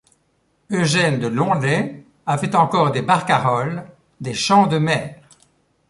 Eugène de Lonlay a fait encore des barcarolles, des chants de mer.